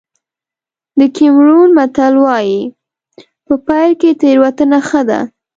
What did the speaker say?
د کېمرون متل وایي په پيل کې تېروتنه ښه ده.